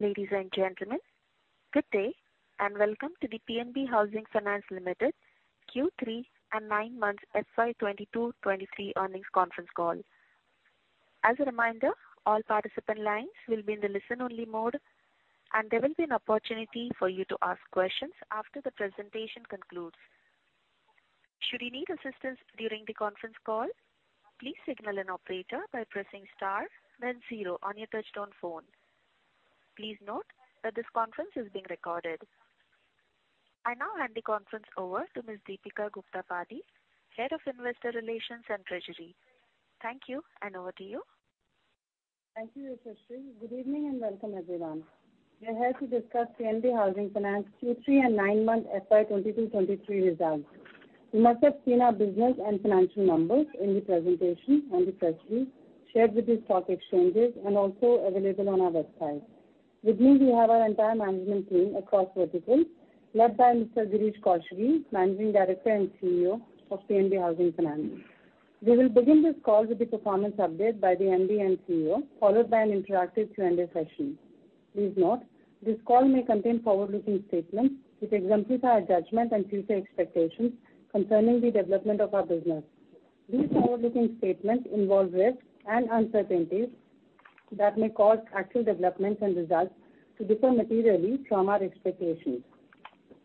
Ladies and gentlemen, good day, and welcome to the PNB Housing Finance Limited Q3 and nine months FY 2022-2023 earnings conference call. As a reminder, all participant lines will be in the listen-only mode, and there will be an opportunity for you to ask questions after the presentation concludes. Should you need assistance during the conference call, please signal an operator by pressing star then zero on your touchtone phone. Please note that this conference is being recorded. I now hand the conference over to Ms. Deepika Gupta Padhi, Head of Investor Relations and Treasury. Thank you, and over to you. Thank you, Yashashri. Good evening, and welcome everyone. We're here to discuss PNB Housing Finance Q3 and nine-month FY22, 23 results. You must have seen our business and financial numbers in the presentation and the press release shared with the stock exchanges and also available on our website. With me, we have our entire management team across verticals, led by Mr. Girish Kousgi, Managing Director and CEO of PNB Housing Finance. We will begin this call with the performance update by the MD and CEO, followed by an interactive Q&A session. Please note, this call may contain forward-looking statements which exemplify our judgment and future expectations concerning the development of our business. These forward-looking statements involve risks and uncertainties that may cause actual developments and results to differ materially from our expectations.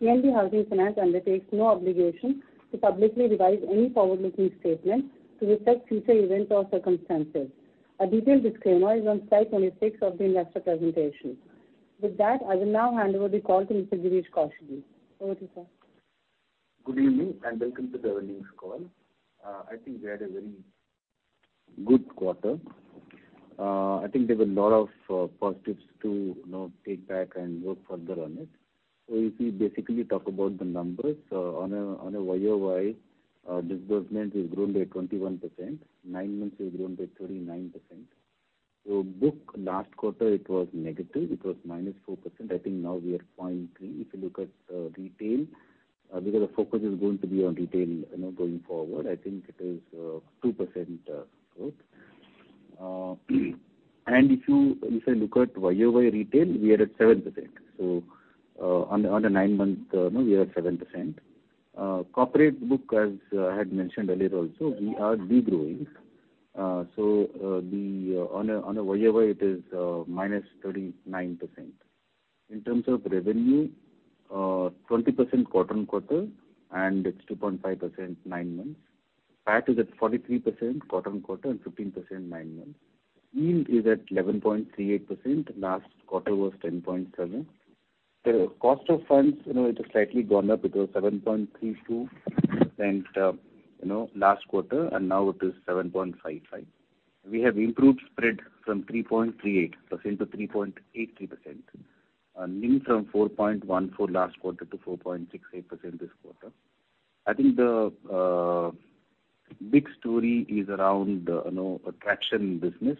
PNB Housing Finance undertakes no obligation to publicly revise any forward-looking statements to reflect future events or circumstances. A detailed disclaimer is on slide 26 of the investor presentation. With that, I will now hand over the call to Mr. Girish Kousgi. Over to you, sir. Good evening, and welcome to the earnings call. I think we had a very good quarter. I think there were a lot of positives to, you know, take back and work further on it. If we basically talk about the numbers, on a YOY, disbursement has grown by 21%, nine months we've grown by 39%. Book last quarter it was negative, it was minus 4%. I think now we are 0.3. If you look at retail, because the focus is going to be on retail, you know, going forward, I think it is 2% growth. If you, if I look at YOY retail, we are at 7%. On a nine-month, you know, we are at 7%. Corporate book, as I had mentioned earlier also, we are de-growing. On a YOY, it is -39%. In terms of revenue, 20% quarter-on-quarter, and it's 2.5% nine months. PAT is at 43% quarter-on-quarter and 15% nine months. NIM is at 11.38%, last quarter was 10.7%. The cost of funds, you know, it has slightly gone up. It was 7.32%, you know, last quarter, and now it is 7.55%. We have improved spread from 3.38%-3.83%, NIM from 4.14% last quarter to 4.68% this quarter. I think the big story is around, you know, traction business,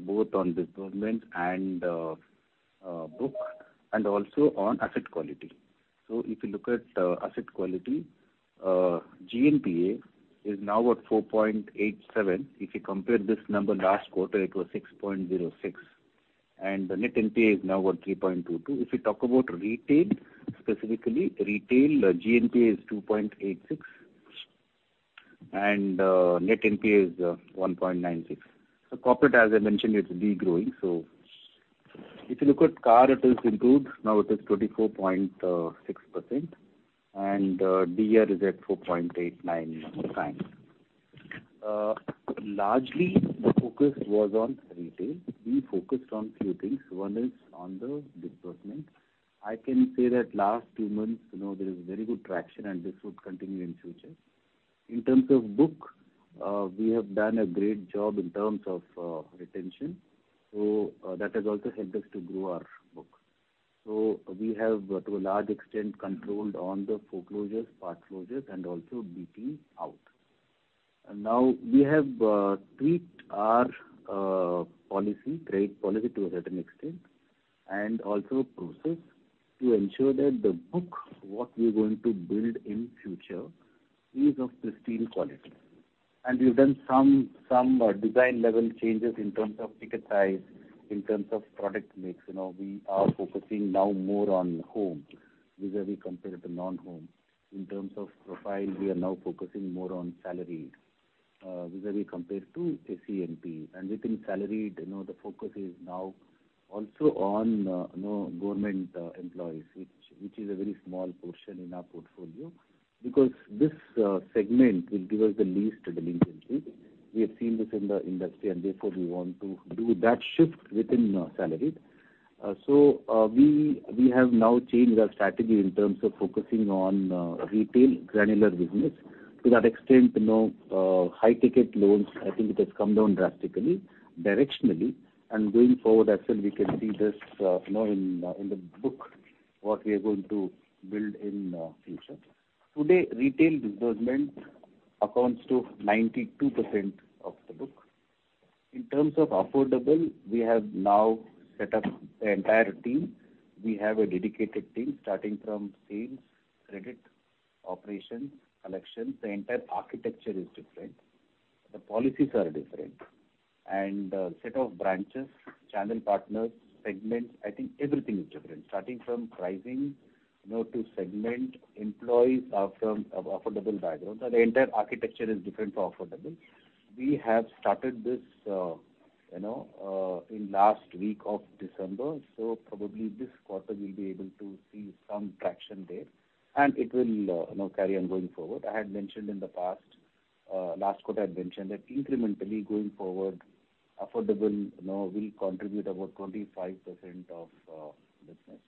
both on disbursement and book and also on asset quality. If you look at asset quality, GNPA is now at 4.87%. If you compare this number last quarter, it was 6.06%, and the net NPA is now at 3.22%. If you talk about retail, specifically retail, GNPA is 2.86%, and net NPA is 1.96%. Corporate, as I mentioned, it's de-growing. If you look at CAR, it has improved. Now it is 24.6%. DR is at 4.89 months time. Largely the focus was on retail. We focused on few things. One is on the disbursement. I can say that last two months, you know, there is very good traction and this would continue in future. In terms of book, we have done a great job in terms of retention. That has also helped us to grow our book. We have, to a large extent, controlled on the foreclosures, part closures and also BT out. We have tweaked our policy, trade policy to a certain extent, and also process to ensure that the book, what we're going to build in future is of pristine quality. We've done some design level changes in terms of ticket size, in terms of product mix. You know, we are focusing now more on home vis-a-vis compared to non-home. In terms of profile, we are now focusing more on salaried vis-a-vis compared to SE and PE. Within salaried, you know, the focus is now also on, you know, government employees, which is a very small portion in our portfolio because this segment will give us the least delinquency. Therefore, we want to do that shift within salaried. We have now changed our strategy in terms of focusing on retail granular business. To that extent, you know, high ticket loans, I think it has come down drastically, directionally. Going forward, I feel we can see this, you know, in the book, what we are going to build in future. Today, retail disbursement accounts to 92% of the book. In terms of affordable, we have now set up an entire team. We have a dedicated team starting from sales, credit, operations, collections. The entire architecture is different. The policies are different and the set of branches, channel partners, segments, I think everything is different. Starting from pricing, you know, to segment employees are from affordable background. The entire architecture is different for affordable. We have started this, you know, in last week of December, so probably this quarter we'll be able to see some traction there and it will, you know, carry on going forward. I had mentioned in the past, last quarter I'd mentioned that incrementally going forward, affordable, you know, will contribute about 25% of business.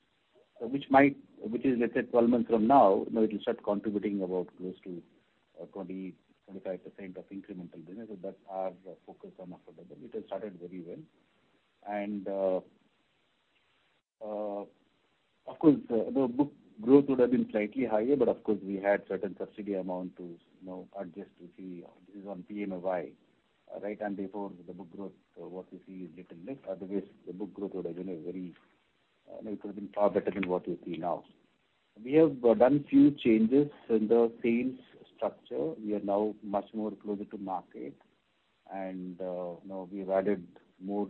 Which is, let's say, 12 months from now, you know, it'll start contributing about close to 20%-25% of incremental business. That's our focus on affordable. It has started very well. Of course, the book growth would have been slightly higher, but of course, we had certain subsidy amount to, you know, adjust to see this is on PMAY, right? Therefore, the book growth, what you see is little less. Otherwise, the book growth would have been a very, you know, it could have been far better than what you see now. We have done few changes in the sales structure. We are now much more closer to market and, you know, we've added more,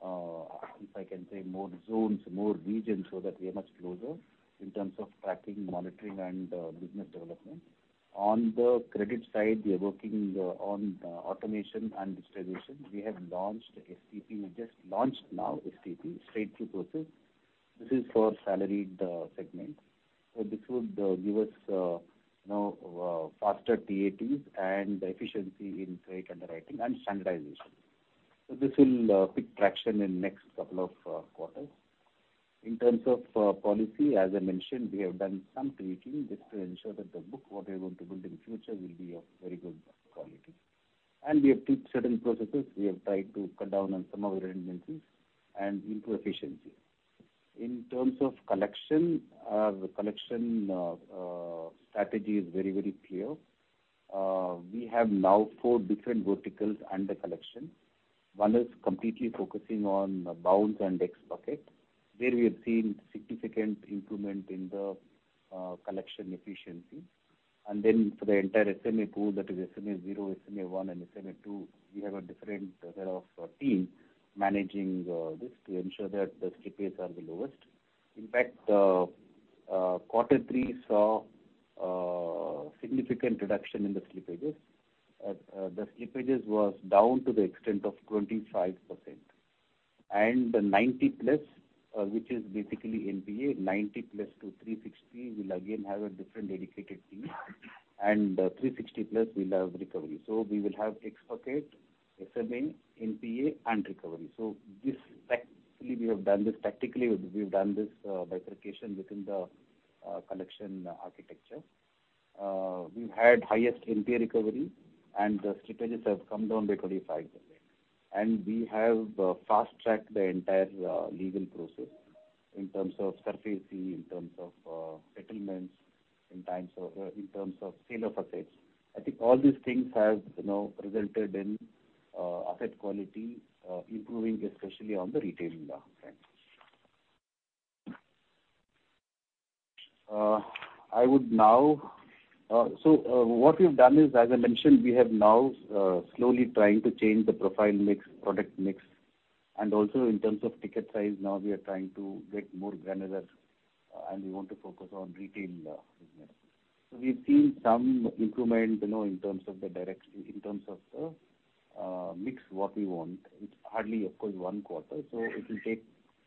if I can say, more zones, more regions so that we are much closer in terms of tracking, monitoring, and business development. On the credit side, we are working on automation and distribution. We have launched STP. We just launched now STP, straight through process. This is for salaried segment. This would, give us, you know, faster TAT and efficiency in trade underwriting and standardization. This will, pick traction in next couple of quarters. In terms of policy, as I mentioned, we have done some tweaking just to ensure that the book, what we're going to build in future will be of very good quality. We have tweaked certain processes. We have tried to cut down on some of the redundancies and improve efficiency. In terms of collection, the collection, strategy is very, very clear. We have now four different verticals under collection. One is completely focusing on bounce and X bucket, where we have seen significant improvement in the collection efficiency. For the entire SMA pool, that is SMA-0, SMA-1, and SMA-2, we have a different set of team managing this to ensure that the slippages are the lowest. In fact, quarter three saw significant reduction in the slippages. The slippages was down to the extent of 25%. The 90 plus, which is basically NPA, 90 plus to 360 will again have a different dedicated team, and 360 plus will have recovery. We will have X-bucket, SMA, NPA, and recovery. This tactically, we have done this tactically. We've done this bifurcation within the collection architecture. We've had highest NPA recovery. The slippages have come down by 25%. We have fast-tracked the entire legal process in terms of surfacing, in terms of settlements, in terms of sale of assets. I think all these things have, you know, resulted in asset quality improving, especially on the retail front. What we've done is, as I mentioned, we have now slowly trying to change the profile mix, product mix, and also in terms of ticket size, now we are trying to get more granular, and we want to focus on retail business. We've seen some improvement, you know, in terms of the mix what we want. It's hardly, of course, one quarter, so it will take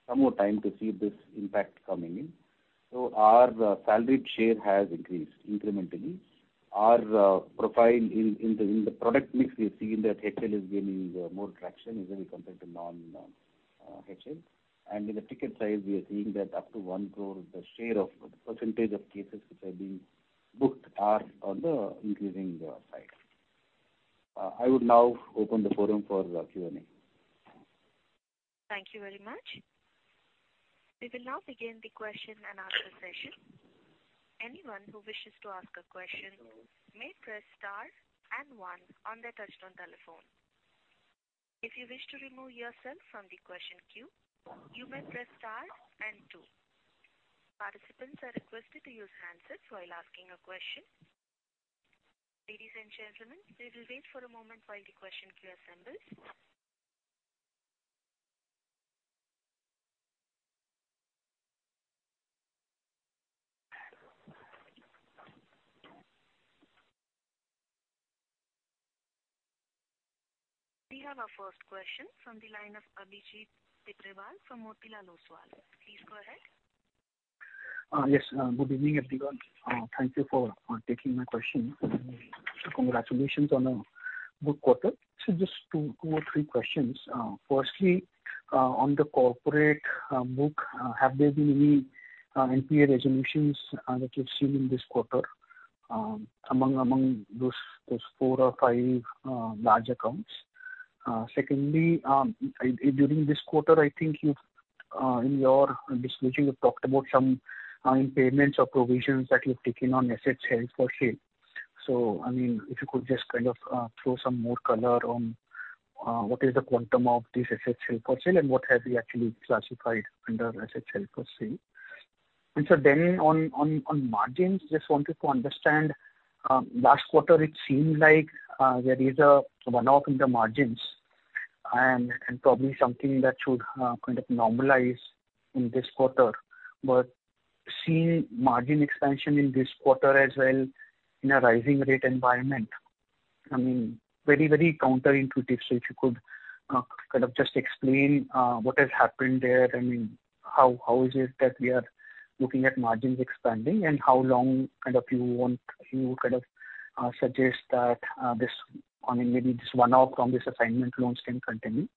some more time to see this impact coming in. Our salaried share has increased incrementally. Our profile in the product mix, we've seen that HL is gaining more traction even compared to non-HL. In the ticket size, we are seeing that up to 1 crore, the percentage of cases which are being booked are on the increasing side. I would now open the forum for Q&A. Thank you very much. We will now begin the question and answer session. Anyone who wishes to ask a question may press star and one on their touchtone telephone. If you wish to remove yourself from the question queue, you may press star and two. Participants are requested to use handsets while asking a question. Ladies and gentlemen, please wait for a moment while the question queue assembles. We have our first question from the line of Abhijit Tibrewal from Motilal Oswal. Please go ahead. Yes. Good evening, everyone. Thank you for taking my question. Congratulations on a good quarter. Just two or three questions. Firstly, on the corporate book, have there been any NPA resolutions that you've seen in this quarter, among those four or five large accounts? Secondly, during this quarter, I think you've in your disclosure, you've talked about some impairments or provisions that you've taken on assets held for sale. I mean, if you could just kind of throw some more color on what is the quantum of this assets held for sale, and what have you actually classified under assets held for sale? On margins, just wanted to understand, last quarter it seemed like there is a runoff in the margins and probably something that should kind of normalize in this quarter. Seeing margin expansion in this quarter as well in a rising rate environment, I mean, very, very counterintuitive. If you could kind of just explain what has happened there. I mean, how is it that we are looking at margins expanding and how long kind of you want to suggest that this, I mean, maybe this one-off from this assignment loans can continue.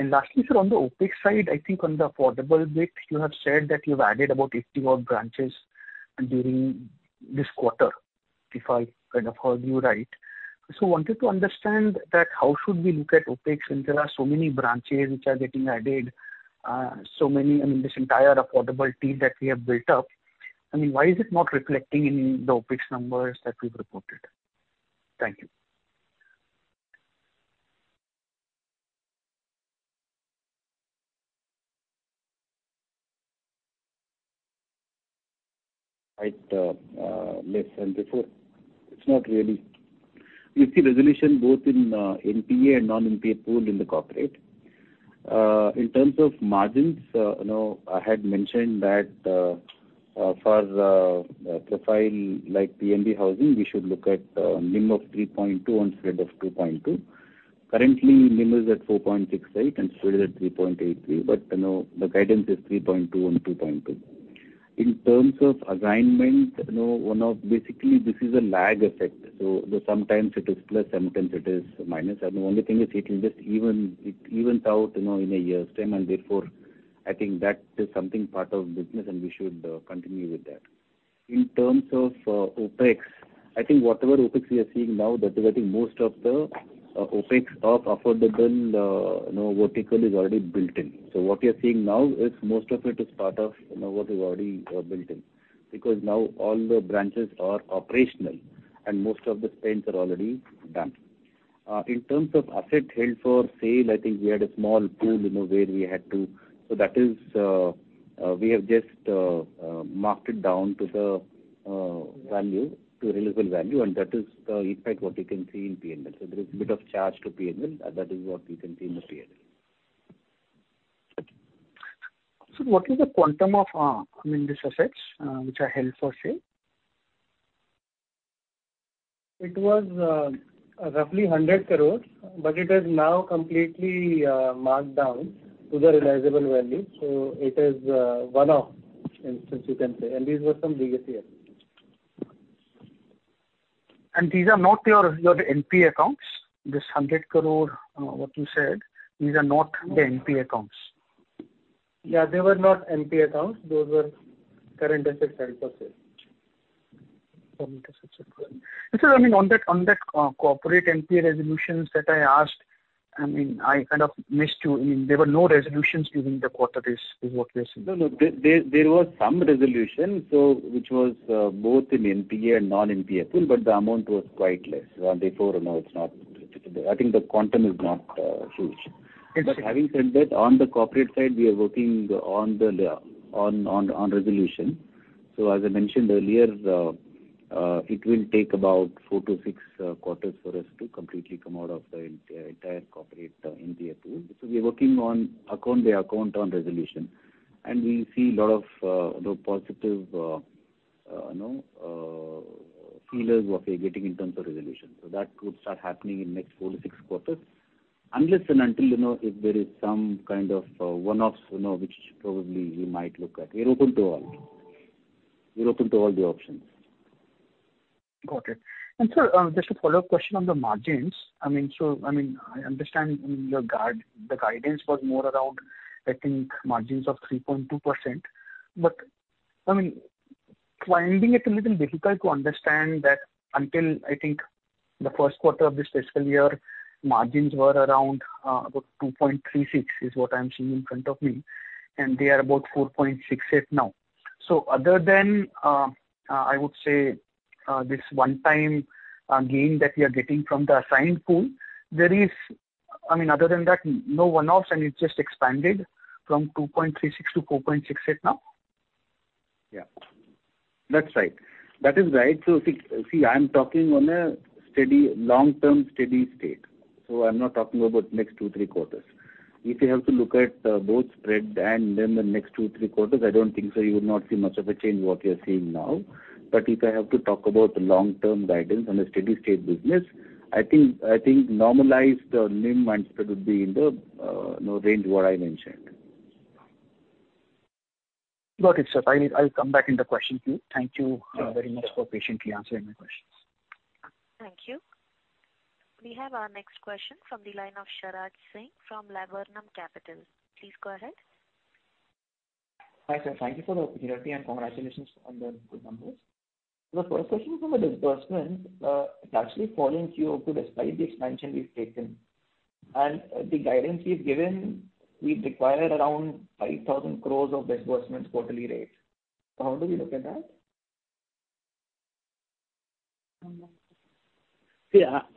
Lastly, sir, on the OpEx side, I think on the affordable bit, you have said that you've added about 81 branches during this quarter, if I kind of heard you right. Wanted to understand that how should we look at OpEx when there are so many branches which are getting added, so many, I mean, this entire affordable team that we have built up, I mean, why is it not reflecting in the OpEx numbers that we've reported? Thank you. Right. Less than before. It's not really. You see resolution both in NPA and non-NPA pool in the corporate. In terms of margins, you know, I had mentioned that for the profile like PNB Housing, we should look at NIM of 3.2 on spread of 2.2. Currently, NIM is at 4.68 and spread is at 3.83. You know, the guidance is 3.2 and 2.2. In terms of assignment, you know, basically, this is a lag effect. Sometimes it is plus, sometimes it is minus. The only thing is it evens out, you know, in a year's time, and therefore, I think that is something part of business, and we should continue with that. In terms of OpEx, I think whatever OpEx we are seeing now, that is I think most of the OpEx of affordable, you know, vertical is already built in. What you're seeing now is most of it is part of, you know, what is already built in. Now all the branches are operational and most of the spends are already done. In terms of asset held for sale, I think we had a small pool, you know. That is, we have just marked it down to the value, to realizable value, and that is the impact what you can see in PNL. There is a bit of charge to PNL, that is what you can see in the PNL. What is the quantum of, I mean, these assets, which are held for sale? It was roughly 100 crores. It is now completely marked down to the realizable value. It is one-off instance you can say. These were some legacy assets. These are not your NPA accounts? This 100 crore INR, what you said, these are not the NPA accounts. Yeah, they were not NPA accounts. Those were current assets held for sale. Sir, I mean, on that corporate NPA resolutions that I asked, I mean, I kind of missed you. I mean, there were no resolutions during the quarter is what you're saying? No, no. There was some resolution, which was both in NPA and non-NPA pool, but the amount was quite less. Therefore, you know, I think the quantum is not huge. Having said that, on the corporate side, we are working on resolution. As I mentioned earlier, it will take about four to six quarters for us to completely come out of the entire corporate NPA pool. We are working on account by account on resolution, and we see lot of, you know, positive, you know, feelers what we're getting in terms of resolution. That could start happening in next four to six quarters. Unless and until, you know, if there is some kind of one-offs, you know, which probably we might look at. We're open to all. We're open to all the options. Got it. Sir, just a follow-up question on the margins. I understand your guidance was more around, I think, margins of 3.2%. Finding it a little difficult to understand that until, I think, the first quarter of this fiscal year, margins were around about 2.36, is what I'm seeing in front of me, and they are about 4.68 now. Other than, I would say, this one time gain that we are getting from the assigned pool, there is other than that, no one-offs and it just expanded from 2.36 to 4.68 now? Yeah. That's right. That is right. See, I'm talking on a steady, long-term steady state. I'm not talking about next two, three quarters. If you have to look at both spread and then the next two, three quarters, I don't think so you would not see much of a change what you are seeing now. If I have to talk about the long-term guidance on a steady state business, I think, normalized NIM and spread would be in the, you know, range what I mentioned. Got it, sir. I'll come back in the question to you. Thank you very much for patiently answering my questions. Thank you. We have our next question from the line of Sharaj Singh from Laburnum Capital. Please go ahead. Hi, sir. Thank you for the opportunity, and congratulations on the good numbers. The first question is on the disbursements. It's actually falling Q over despite the expansion we've taken. The guidance you've given, we require around 5,000 crores of disbursements quarterly rate. How do you look at that?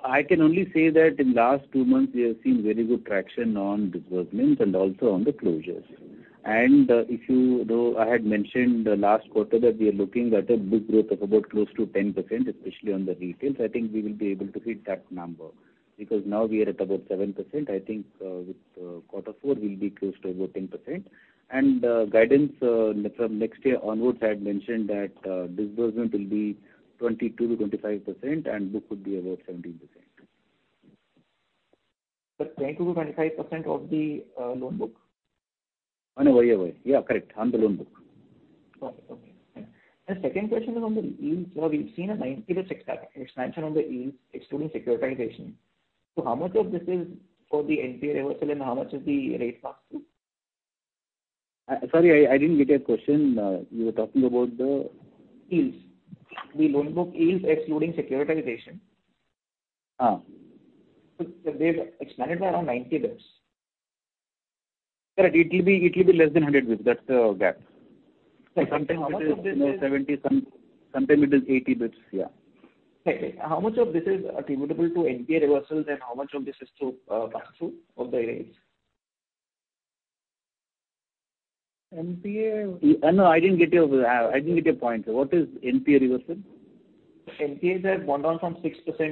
I can only say that in last two months we have seen very good traction on disbursements and also on the closures. Though I had mentioned the last quarter that we are looking at a big growth of about close to 10%, especially on the retail, I think we will be able to hit that number because now we are at about 7%. I think with quarter four we'll be close to about 10%. Guidance from next year onwards, I had mentioned that disbursement will be 20%-25% and book would be about 17%. 20%-25% of the, loan book? No, no. Yeah, yeah. Yeah, correct. On the loan book. Okay. Okay. The second question is on the yields. We've seen a 90 basis expansion on the yields excluding securitization. How much of this is for the NPA reversal and how much is the rate pass-through? Sorry, I didn't get your question. You were talking about. Yields. The loan book yields excluding securitization. Uh. They've expanded by around 90 basis. Correct. It will be less than 100 basis, that's the gap. Sometimes it is, you know, 70, sometimes it is 80 basis, yeah. Right. How much of this is attributable to NPA reversals and how much of this is to, pass-through of the rates? NPA... no, I didn't get your... I didn't get your point. What is NPA reversal? NPAs have gone down from 6%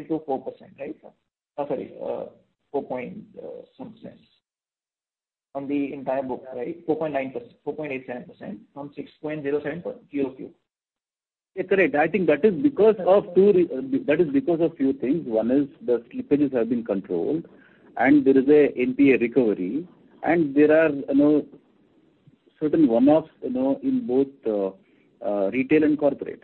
to 4%, right? Sorry, 4 point some cents on the entire book, right? 4.9%, 4.87% from 6.07% QOQ. Yeah, correct. That is because of few things. One is the slippages have been controlled, and there is a NPA recovery, and there are, you know, certain one-offs, you know, in both retail and corporate.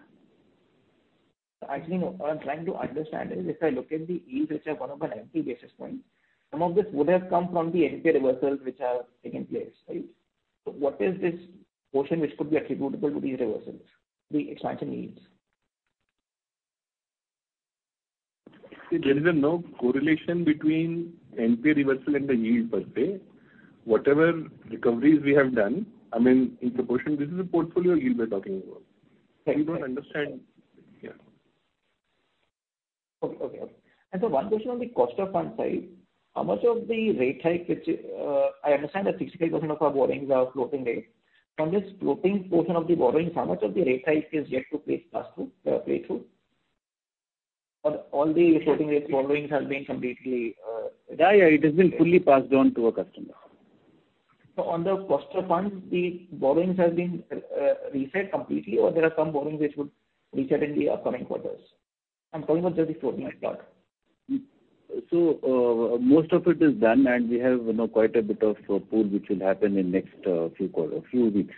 Actually, what I'm trying to understand is if I look at the yields which have gone up by 90 basis points, some of this would have come from the NPA reversals which have taken place, right? What is this portion which could be attributable to these reversals, the expansion yields? There is no correlation between NPA reversal and the yield per se. Whatever recoveries we have done, I mean, in proportion, this is a portfolio yield we're talking about. Right. I don't understand. Yeah. Okay. Okay. One question on the cost of funds side. I understand that 65% of our borrowings are floating rate. From this floating portion of the borrowing, how much of the rate hike is yet to play pass-through, play through? All the floating rate borrowings have been completely, uh- Yeah. It has been fully passed on to our customer. On the cost of funds, the borrowings have been reset completely or there are some borrowings which would reset in the upcoming quarters? I'm talking about just the floating part. most of it is done and we have, you know, quite a bit of pool which will happen in next few quarter, few weeks.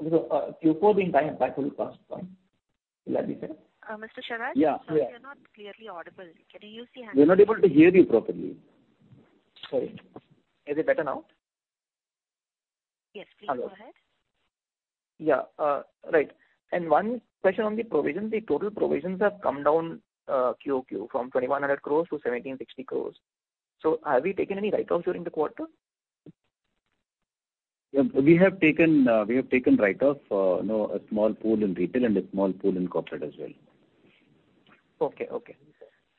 Q4 being by full pass through. Will I be fair? Mr. Sharaj? Yeah. Sorry, you're not clearly audible. Can you use the handset? We're not able to hear you properly. Sorry. Is it better now? Yes, please go ahead. Yeah. right. One question on the provisions. The total provisions have come down, QOQ from 2,100 crores to 1,760 crores. Have we taken any write-offs during the quarter? We have taken write-off, you know, a small pool in retail and a small pool in corporate as well. Okay. Okay.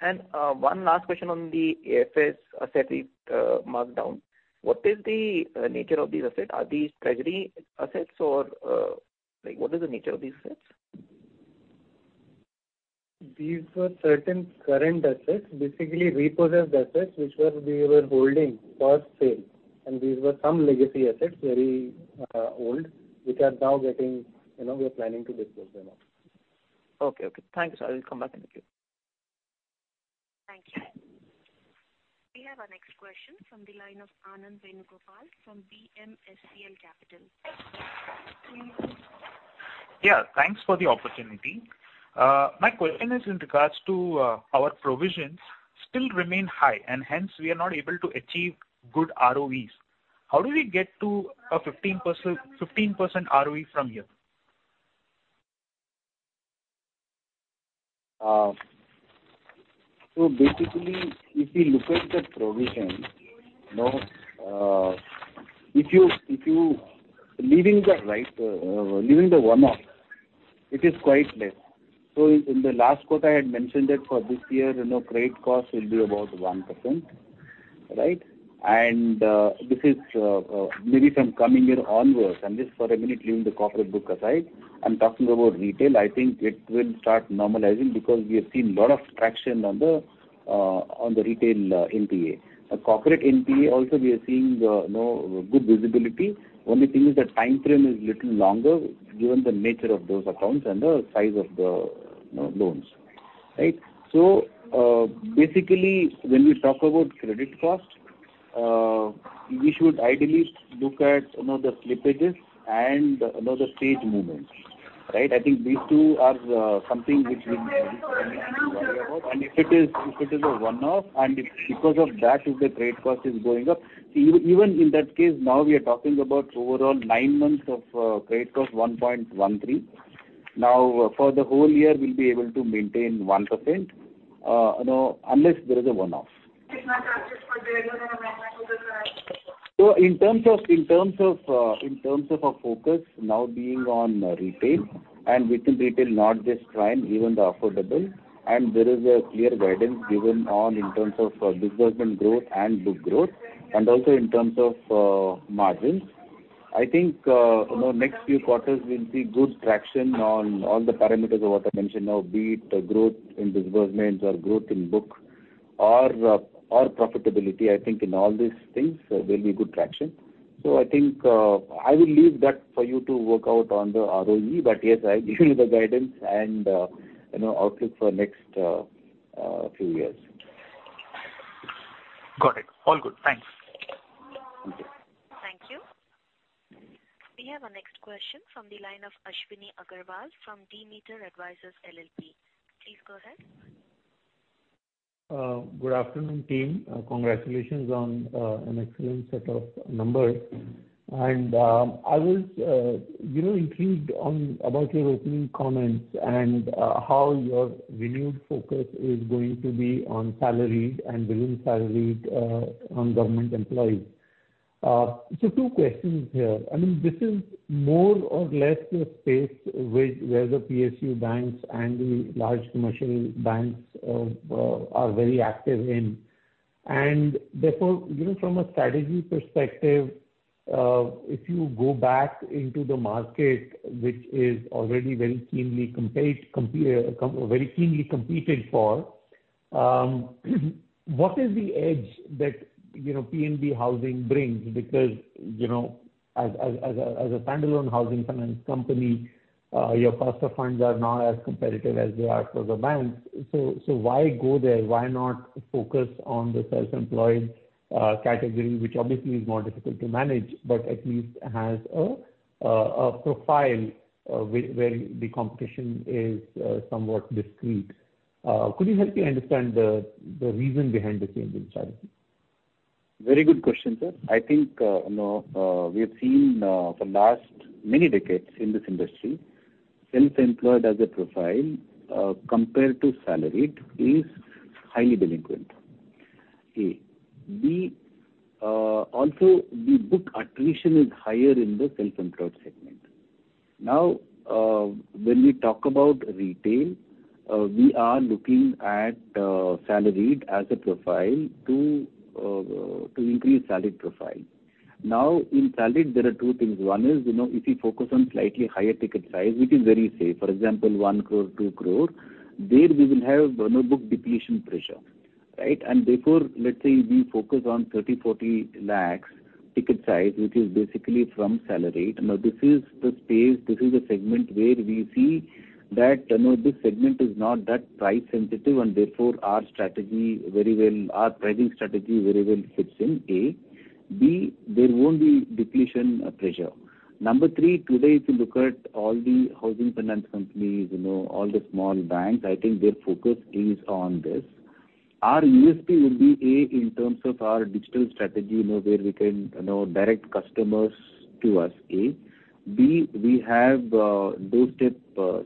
One last question on the AFS asset markdown. What is the nature of these assets? Are these treasury assets or like what is the nature of these assets? These were certain current assets, basically repossessed assets which were, we were holding for sale, and these were some legacy assets, very old, which are now getting, you know, we are planning to dispose them off. Okay. Okay. Thanks. I will come back. Thank you. Thank you. We have our next question from the line of Anand Venugopal from BMSPL Capital. Yeah. Thanks for the opportunity. My question is in regards to, our provisions still remain high and hence we are not able to achieve good ROEs. How do we get to a 15% ROE from here? Basically, if you look at the provision, you know, Leaving the, right, leaving the one-off, it is quite less. In the last quarter, I had mentioned that for this year, you know, credit cost will be about 1%, right? This is, maybe from coming year onwards, and just for a minute leaving the corporate book aside, I'm talking about retail, I think it will start normalizing because we have seen lot of traction on the retail NPA. Corporate NPA also we are seeing, you know, good visibility. Only thing is that timeframe is little longer given the nature of those accounts and the size of the, you know, loans, right? Basically, when we talk about credit cost, we should ideally look at, you know, the slippages and, you know, the stage movements, right? I think these two are something which we need to worry about. If it is, if it is a one-off and if because of that if the credit cost is going up, see even in that case we are talking about overall nine months of credit cost 1.13%. For the whole year we'll be able to maintain 1%. you know, unless there is a one-off. In terms of our focus now being on retail and within retail, not just prime, even the affordable, there is a clear guidance given on in terms of disbursement growth and book growth and also in terms of margins. I think, you know, next few quarters we'll see good traction on all the parameters of what I mentioned now, be it growth in disbursements or growth in book or profitability. I think in all these things there'll be good traction. I think I will leave that for you to work out on the ROE. Yes, I'll give you the guidance and, you know, outlook for next few years. Got it. All good. Thanks. Okay. Thank you. We have our next question from the line of Ashwini Agarwal from Demeter Advisors LLP. Please go ahead. Good afternoon, team. Congratulations on an excellent set of numbers. I was, you know, intrigued on, about your opening comments and how your renewed focus is going to be on salaried and within salaried, on government employees. So two questions here. I mean, this is more or less a space which, where the PSU banks and the large commercial banks are very active in. Therefore, you know, from a strategy perspective, if you go back into the market, which is already very keenly competed for, what is the edge that, you know, PNB Housing brings? Because, you know, as a standalone housing finance company, your cost of funds are not as competitive as they are for the banks. So why go there? Why not focus on the self-employed category, which obviously is more difficult to manage but at least has a profile where the competition is somewhat discreet. Could you help me understand the reason behind the change in strategy? Very good question, sir. I think, you know, we have seen for last many decades in this industry, self-employed as a profile, compared to salaried is highly delinquent, A. B, also the book attrition is higher in the self-employed segment. Now, when we talk about retail, we are looking at salaried as a profile to increase salaried profile. Now, in salaried, there are two things. One is, you know, if you focus on slightly higher ticket size, which is very safe, for example, 1 crore, 2 crore, there we will have, you know, book depletion pressure, right? Therefore, let's say we focus on 30 lakhs, 40 lakhs ticket size, which is basically from salaried. This is the space, this is a segment where we see that, you know, this segment is not that price sensitive and therefore our strategy very well, our pricing strategy very well fits in. A. B, there won't be depletion pressure. Number three, today, if you look at all the housing finance companies, you know, all the small banks, I think their focus is on this. Our USP would be, A, in terms of our digital strategy, you know, where we can, you know, direct customers to us. A. B, we have doorstep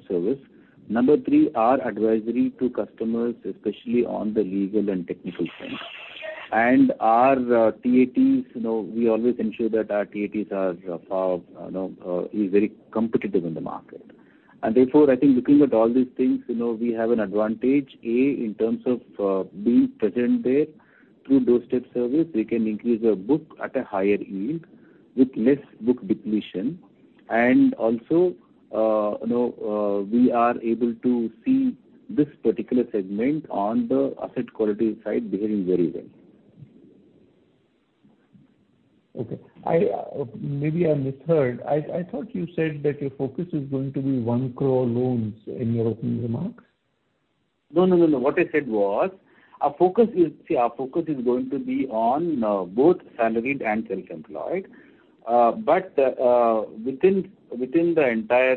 service. Number three, our advisory to customers, especially on the legal and technical front. Our TATs, you know, we always ensure that our TATs are far, you know, is very competitive in the market. Therefore, I think looking at all these things, you know, we have an advantage, A, in terms of being present there. Through doorstep service, we can increase our book at a higher yield with less book depletion. Also, you know, we are able to see this particular segment on the asset quality side behaving very well. Okay. I, maybe I misheard. I thought you said that your focus is going to be 1 crore loans in your opening remarks. No, no, no. What I said was our focus is going to be on both salaried and self-employed. But within the entire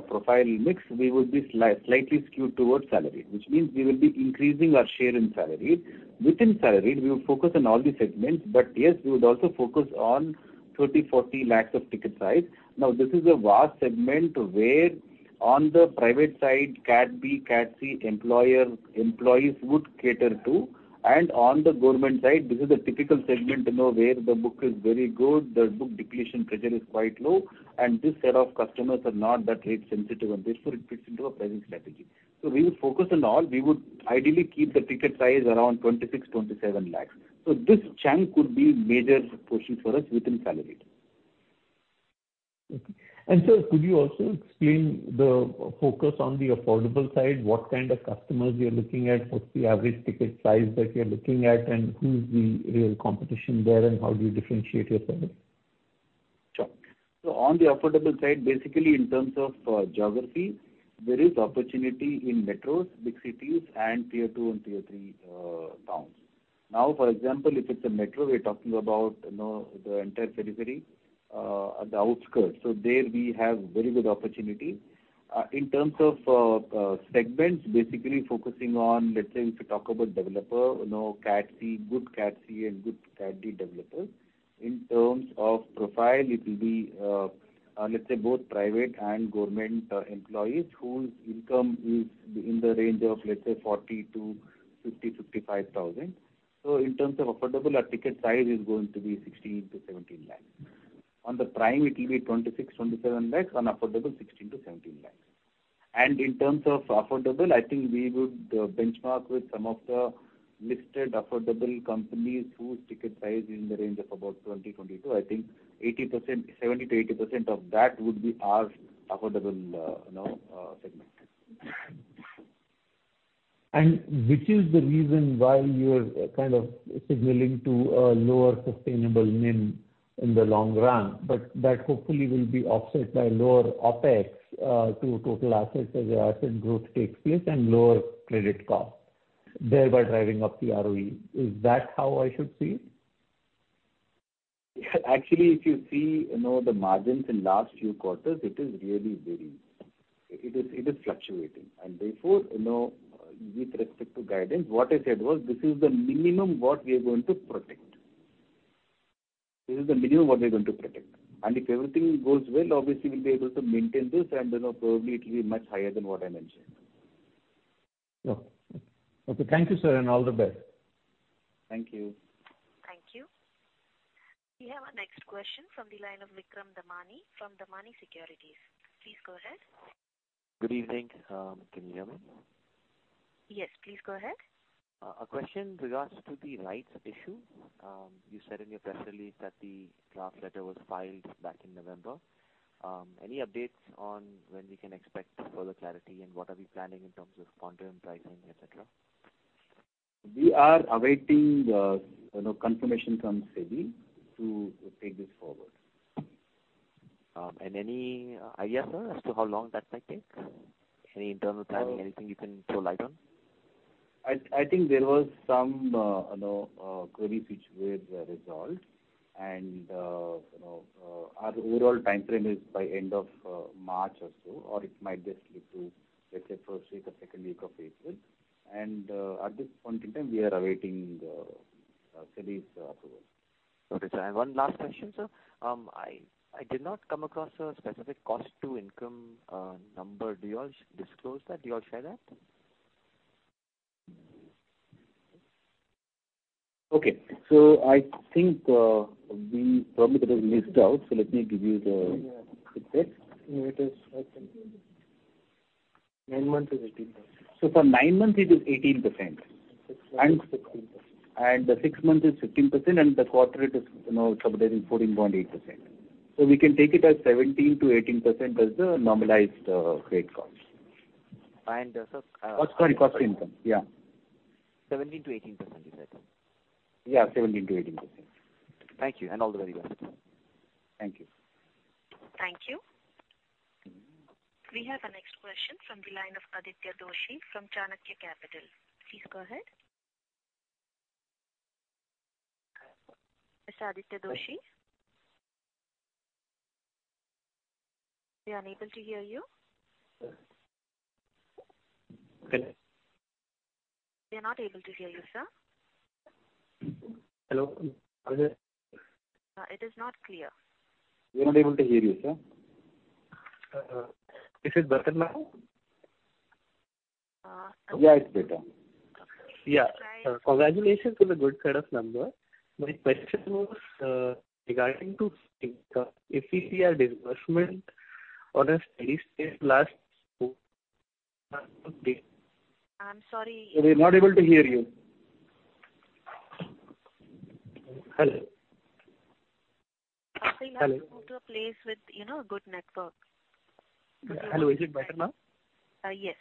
profile mix, we would be slightly skewed towards salaried, which means we will be increasing our share in salaried. Within salaried, we will focus on all the segments, but yes, we would also focus on 30 lakhs-40 lakhs of ticket size. Now, this is a vast segment where on the private side, Cat B, Cat C employer, employees would cater to. On the government side, this is a typical segment, you know, where the book is very good, the book depletion pressure is quite low, and this set of customers are not that rate sensitive, and therefore it fits into our pricing strategy. We will focus on all. We would ideally keep the ticket size around 26 lakhs-27 lakhs. This chunk could be major portion for us within salaried. Okay. Sir, could you also explain the focus on the affordable side, what kind of customers you're looking at? What's the average ticket size that you're looking at, and who is the real competition there, and how do you differentiate yourself? Sure. On the affordable side, basically in terms of geography, there is opportunity in metros, big cities and Tier 2 and Tier 3 towns. For example, if it's a metro, we're talking about, you know, the entire periphery, the outskirts. There we have very good opportunity. In terms of segments, basically focusing on, let's say, if you talk about developer, you know, Cat C, good Cat C and good Cat D developers. In terms of profile, it will be, let's say both private and government employees whose income is in the range of, let's say, 40,000-55,000. In terms of affordable, our ticket size is going to be 16-17 lakhs. On the prime, it will be 26-27 lakhs. On affordable, 16-17 lakhs. In terms of affordable, I think we would benchmark with some of the listed affordable companies whose ticket size in the range of about 20, 22. I think 80%... 70%-80% of that would be our affordable, you know, segment. Which is the reason why you're kind of signaling to a lower sustainable NIM in the long run, but that hopefully will be offset by lower OpEx to total assets as the asset growth takes place and lower credit cost, thereby driving up the ROE. Is that how I should see it? Actually, if you see, you know, the margins in last few quarters, it is really varying. It is fluctuating. Therefore, you know, with respect to guidance, what I said was, this is the minimum what we are going to protect. This is the minimum what we're going to protect. If everything goes well, obviously we'll be able to maintain this and, you know, probably it will be much higher than what I mentioned. Oh, okay. Thank you, sir, and all the best. Thank you. Thank you. We have our next question from the line of Vikram Damani from Damani Securities. Please go ahead. Good evening. Can you hear me? Yes, please go ahead. A question regards to the rights issue. You said in your press release that the draft letter was filed back in November. Any updates on when we can expect further clarity and what are we planning in terms of quantum pricing, et cetera? We are awaiting, you know, confirmation from SEBI to take this forward. Any idea, sir, as to how long that might take? Any internal timing, anything you can throw light on? I think there was some, you know, queries which were resolved, you know, our overall timeframe is by end of March or so, or it might just slip to, let's say, first week or second week of April. At this point in time, we are awaiting SEBI's approval. Okay, sir. One last question, sir. I did not come across a specific cost to income number. Do you all disclose that? Do you all share that? Okay. I think, we probably got it missed out, so let me give you the exact- No, it is right there. Nine months is 18%. for nine months it is 18%. six months, 16%. The six months is 16%, and the quarter it is, you know, approximately 14.8%. We can take it as 17%-18% as the normalized rate cost. Sir. Cost to income. Yeah. 17%-18% you said, sir? Yeah, 17%-18%. Thank you and all the very best. Thank you. Thank you. We have our next question from the line of Aditya Doshi from Chanakya Capital. Please go ahead. Mr. Aditya Doshi? We are unable to hear you. Hello. We are not able to hear you, sir. Hello. How is it? It is not clear. We're not able to hear you, sir. Is it better now? Yeah, it's better. Hello. Yeah. Congratulations on the good set of numbers. My question was, regarding to fee income. If we see a disbursement on a steady-state last four. I'm sorry. We're not able to hear you. Hello? Hello? I'll say you have to move to a place with, you know, good network. Hello. Is it better now? yes.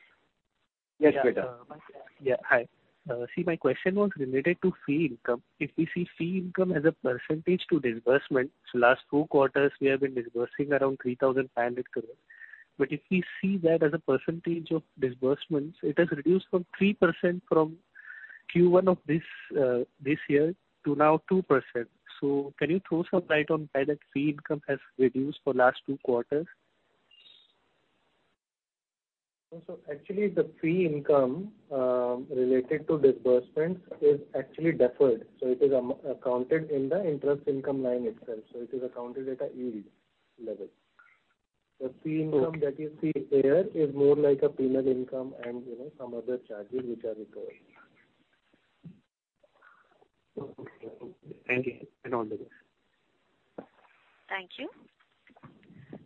Yes, better. Yeah. Hi. My question was related to fee income. If we see fee income as a percentage to disbursement, last two quarters we have been disbursing around 3,500 crores. If we see that as a percentage of disbursements, it has reduced from 3% from Q1 of this year to now 2%. Can you throw some light on why that fee income has reduced for last two quarters? Actually the fee income related to disbursements is actually deferred, it is accounted in the interest income line itself. It is accounted at a yield level. The fee income that you see there is more like a premium income and, you know, some other charges which are recovered. Okay. Thank you. All the best. Thank you.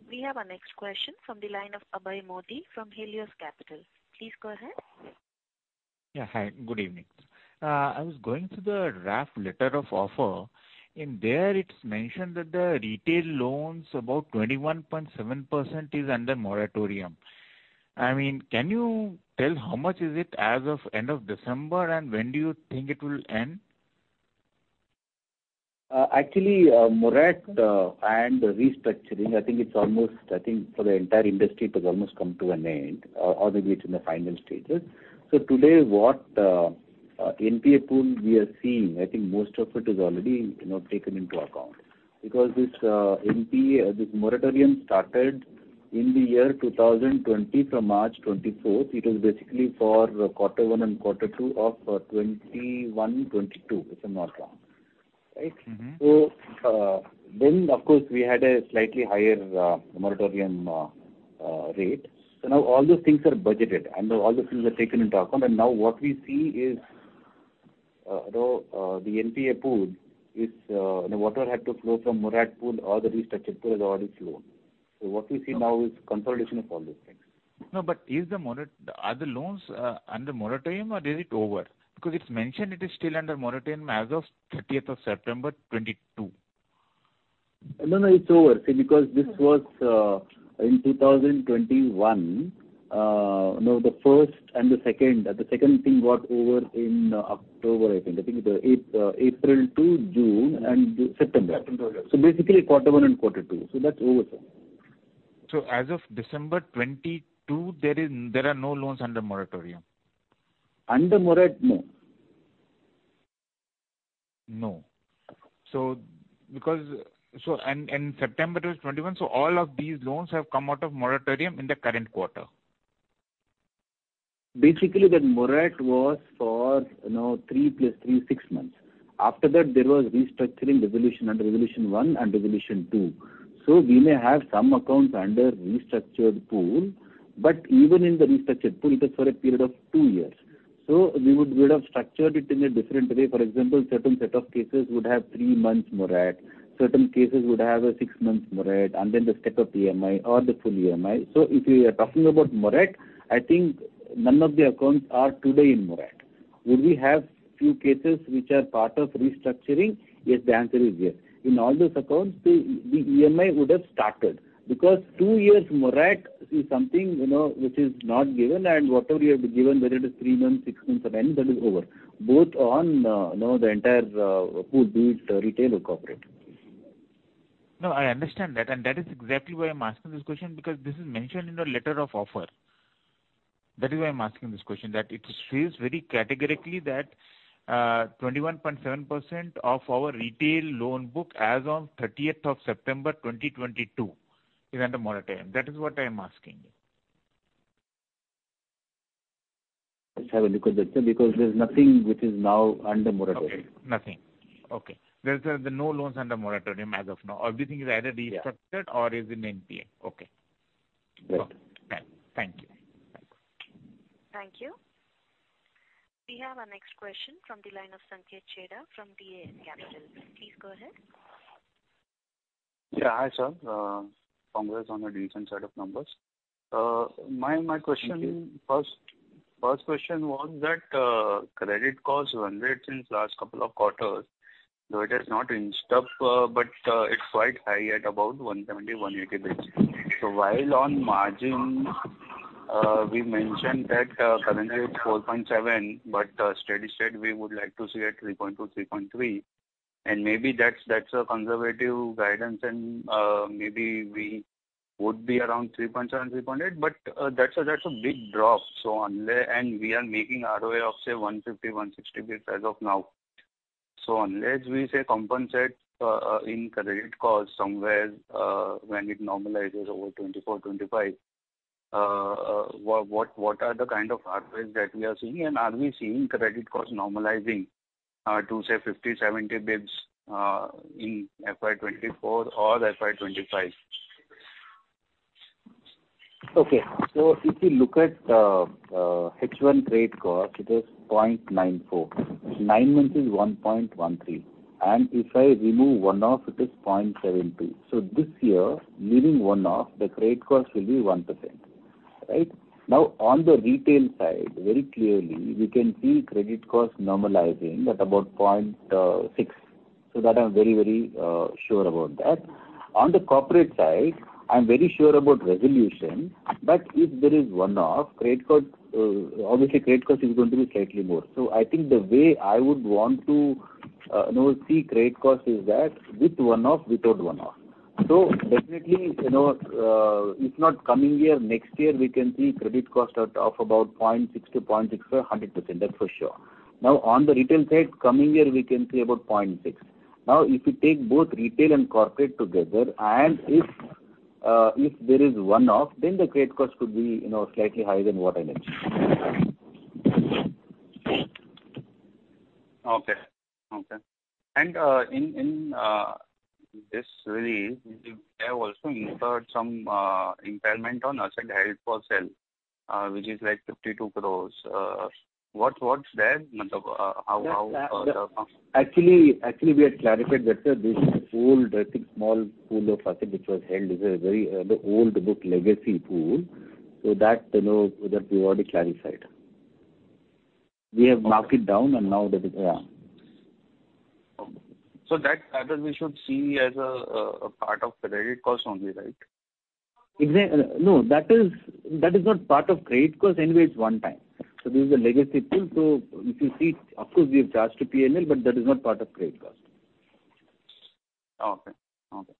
We have our next question from the line of Abhay Modi from Helios Capital. Please go ahead. Yeah, hi. Good evening. I was going through the draft letter of offer. In there, it's mentioned that the retail loans about 21.7% is under moratorium. I mean, can you tell how much is it as of end of December and when do you think it will end? Actually, morat and restructuring, I think it's almost, I think for the entire industry it has almost come to an end or maybe it's in the final stages. Today what NPA pool we are seeing, I think most of it is already, you know, taken into account. This NPA, this moratorium started in the year 2020 from March 24th. It was basically for Q1 and Q2 of 2021, 2022, if I'm not wrong. Right. Mm-hmm. Of course, we had a slightly higher moratorium rate. Now all those things are budgeted and all those things are taken into account, and now what we see is, you know, the NPA pool is, you know, water had to flow from morat pool or the restructured pool has already flown. What we see now is consolidation of all those things. No, are the loans under moratorium or is it over? Because it's mentioned it is still under moratorium as of 30th of September 2022. No, no, it's over. See, because this was in 2021, you know, the first and the second, the second thing got over in October, I think. I think it's April to June and September. September, yeah. Basically quarter one and quarter two. That's over, sir. as of December 2022, there are no loans under moratorium. Under moratorium, no. No. September it was 2021, all of these loans have come out of moratorium in the current quarter. Basically, that moratorium was for, you know, three plus three, six months. After that, there was restructuring resolution under resolution 1 and resolution 2. We may have some accounts under restructured pool, but even in the restructured pool, it is for a period of two years. We would, we'd have structured it in a different way. For example, certain set of cases would have three months moratorium, certain cases would have a six months moratorium and then the step up EMI or the full EMI. If we are talking about moratorium, I think none of the accounts are today in moratorium. Would we have few cases which are part of restructuring? Yes, the answer is yes. In all those accounts, the EMI would have started because two years morat is something, you know, which is not given, and whatever you have been given, whether it is three months, six months or nine, that is over, both on, you know, the entire pool, be it retail or corporate. No, I understand that, and that is exactly why I'm asking this question because this is mentioned in the letter of offer. That is why I'm asking this question, that it says very categorically that 21.7% of our retail loan book as of 30th of September 2022 is under moratorium. That is what I am asking you. Let's have a look at that, sir, because there's nothing which is now under moratorium. Okay. Nothing. Okay. There's no loans under moratorium as of now, everything is either restructured- Yeah. or is in NPA. Okay. Right. Okay. Thank you. Thank you. Thank you. We have our next question from the line of Sanket Chheda from DAM Capital. Please go ahead. Yeah, hi, sir. Congrats on the decent set of numbers. My question. Thank you. First question was that, credit cost one rate since last couple of quarters, though it has not inched up, but, it's quite high at about 170, 180 basis. While on margin, we mentioned that, currently it's 4.7%, but, steady-state we would like to see at 3.2%, 3.3%. Maybe that's a conservative guidance and, maybe we would be around 3.7%, 3.8%, but, that's a, that's a big drop. We are making ROA of, say, 150, 160 basis as of now. Unless we, say, compensate, in credit cost somewhere, when it normalizes over 2024, 2025, what are the kind of ROAs that we are seeing? Are we seeing credit cost normalizing, to, say, 50, 70 basis, in FY 2024 or FY 2025? Okay. If you look at H1 trade cost, it is 0.94%. Nine months is 1.13%. If I remove one-off, it is 0.72%. This year, leaving one-off, the trade cost will be 1%. Right? On the retail side, very clearly, we can see credit cost normalizing at about 0.6%. That I'm very sure about that. On the corporate side, I'm very sure about resolution, but if there is one-off, credit cost, obviously credit cost is going to be slightly more. I think the way I would want to, you know, see credit cost is that with one-off, without one-off. Definitely, you know, if not coming year, next year, we can see credit cost at, of about 0.6%-0.65%, 100%, that's for sure. Now, on the retail side, coming year, we can say about 0.6%. If you take both retail and corporate together, and if there is one-off, then the credit cost could be, you know, slightly higher than what I mentioned. Okay. Okay. In, in, this release, you have also incurred some, impairment on asset held for sale, which is like 52 crores. What, what's there? That's. How? Actually, we had clarified that, sir. This is a pool, I think small pool of asset which was held is a very, the old book legacy pool. That, you know, that we already clarified. We have marked it down and now that is, yeah. That, rather we should see as a part of the credit cost only, right? No, that is not part of credit cost. Anyway, it's one time. This is a legacy pool. If you see, of course, we have charged to P&L, but that is not part of credit cost. Okay. Okay.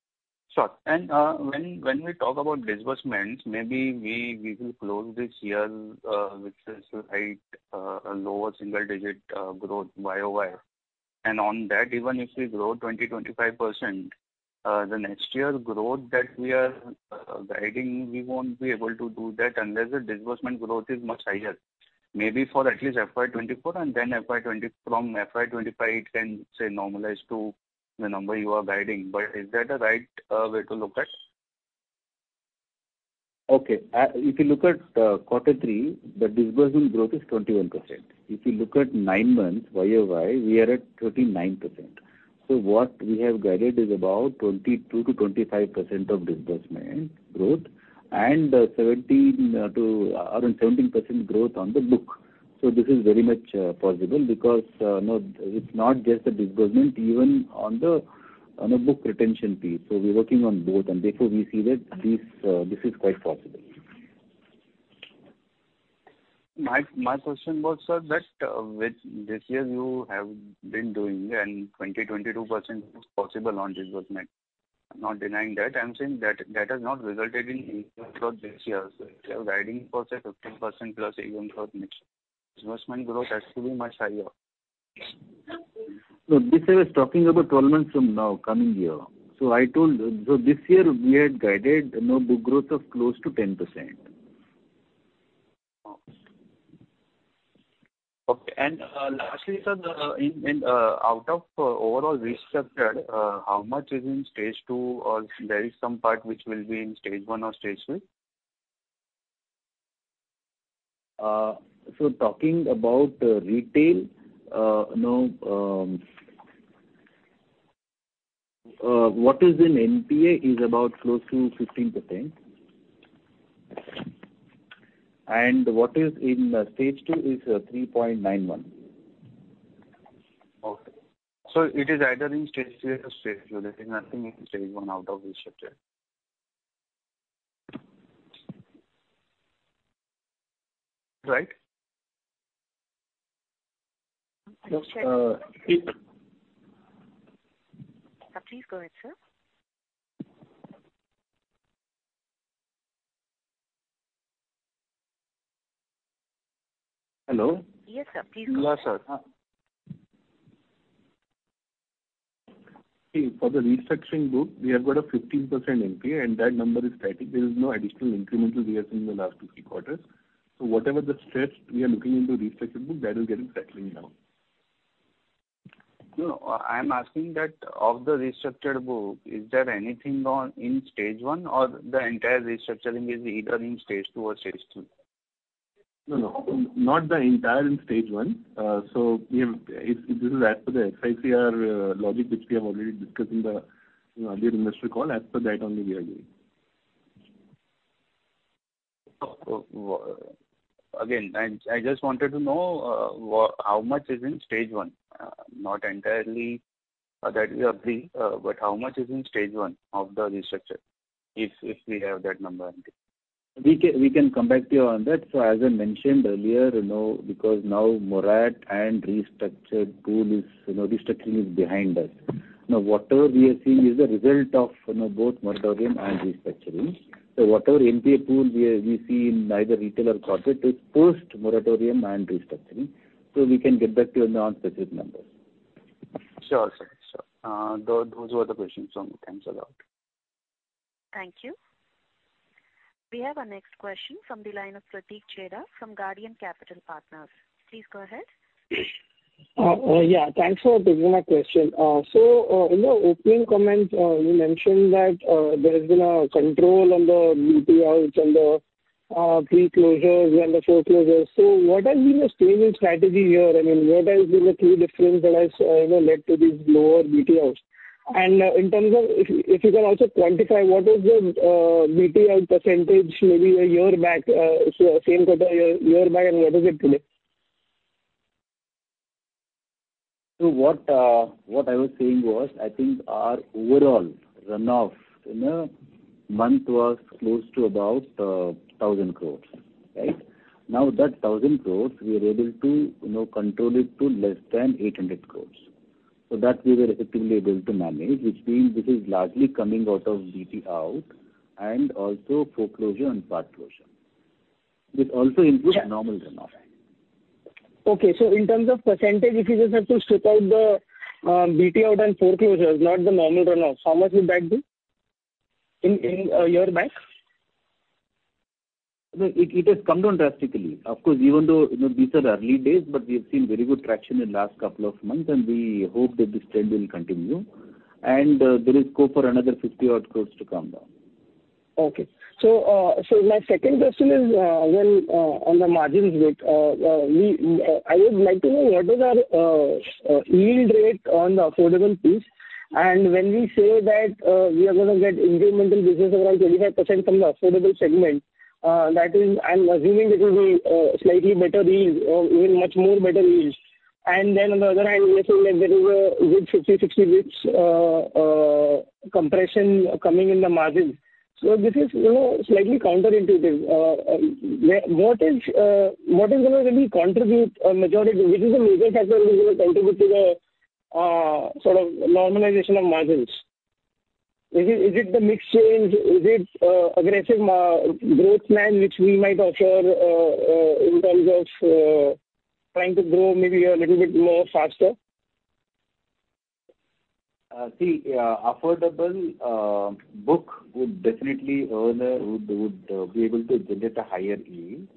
Sure. When we talk about disbursements, maybe we will close this year with a slight, lower single digit, growth YOY. On that, even if we grow 20%-25%, the next year growth that we are guiding, we won't be able to do that unless the disbursement growth is much higher. Maybe for at least FY 2024 and then from FY 2025 it can, say, normalize to the number you are guiding. Is that a right, way to look at? If you look at, quarter three, the disbursement growth is 21%. If you look at nine months YOY, we are at 39%. What we have guided is about 22%-25% of disbursement growth and 17% to around 17% growth on the book. This is very much possible because it's not just the disbursement, even on the, on a book retention fee. We're working on both, and therefore we feel that this is quite possible. My question was, sir, that which this year you have been doing and 22% is possible on disbursement. I'm not denying that. I'm saying that that has not resulted in this year. If you are guiding for, say, 15% plus even for next year, disbursement growth has to be much higher. No, this I was talking about 12 months from now, coming year. I told, this year we had guided, you know, book growth of close to 10%. Okay. lastly, sir, in out of overall risk sector, how much is in stage two or there is some part which will be in stage one or stage three? Talking about retail, what is in NPA is about close to 15%. What is in stage two is 3.91. Okay. It is either in stage 2 or stage 3. There is nothing in stage 1 out of this structure. Right? Yes. Sir, please go ahead, sir. Hello? Yes, sir. Please go ahead. Hello, sir. For the restructuring book, we have got a 15% NPA. That number is static. There is no additional incremental we have seen in the last two, three quarters. Whatever the stress we are looking into restructuring book, that is getting settling down. No, I'm asking that of the restructured book, is there anything on in stage one or the entire restructuring is either in stage two or stage three? No, no, not the entire in stage one. We have, if this is as per the FOIR logic, which we have already discussed in the, you know, earlier investor call, as per that only we are doing. I just wanted to know, how much is in stage one, not entirely, that we agree, but how much is in stage one of the restructure if we have that number only? We can come back to you on that. As I mentioned earlier, you know, because now moratorium and restructured pool is, restructuring is behind us. Whatever we have seen is a result of, both moratorium and restructuring. Whatever NPA pool we are, we see in either retail or corporate is post-moratorium and restructuring, so we can get back to you on specific numbers. Sure, sir. Sure. Those were the questions from me. Thanks a lot. Thank you. We have our next question from the line of Pratik Chheda from Guardian Capital Partners. Please go ahead. Yeah. Thanks for taking my question. In the opening comments, you mentioned that there has been a control on the BT outs and the pre-closures and the foreclosures. What has been the screening strategy here? I mean, what has been the key difference that has, you know, led to these lower BT outs? In terms of if you can also quantify what is the BT out percentage maybe a year back, so same quarter year back, and what is it today? What I was saying was, I think our overall run-off in a month was close to about 1,000 crore, right? That 1,000 crore we are able to, you know, control it to less than 800 crore. That we were effectively able to manage, which means this is largely coming out of BT out and also foreclosure and part closure. This also includes normal run-off. Okay. In terms of percentage, if you just have to strip out the BT out and foreclosures, not the normal run-off, how much would that be in a year back? No, it has come down drastically. Of course, even though, you know, these are early days, but we have seen very good traction in last couple of months, and we hope that this trend will continue. There is scope for another 50 odd crores to come down. Okay. My second question is, when on the margins bit, I would like to know what is our yield rate on the affordable piece. When we say that, we are gonna get incremental business around 35% from the affordable segment, that is, I'm assuming it will be slightly better yield or even much more better yields. Then on the other hand, we are saying that there is a good 50, 60 bps compression coming in the margins. This is, you know, slightly counterintuitive. What is what is gonna really contribute a majority? Which is the major factor which is gonna contribute to the sort of normalization of margins? Is it the mix change? Is it, aggressive growth plan which we might offer, in terms of trying to grow maybe a little bit more faster. See, affordable book would definitely be able to generate a higher yield